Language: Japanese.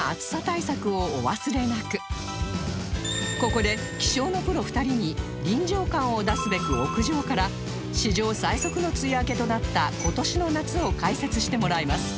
ここで気象のプロ２人に臨場感を出すべく屋上から史上最速の梅雨明けとなった今年の夏を解説してもらいます